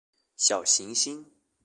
小行星